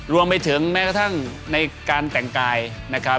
รวมไปถึงแม้กระทั่งในการแต่งกายนะครับ